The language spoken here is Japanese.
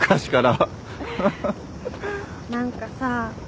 何かさ